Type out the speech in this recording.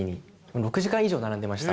６時間以上並んでました。